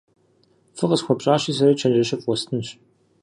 Фӏы къысхуэпщӏащи, сэри чэнджэщыфӏ уэстынщ.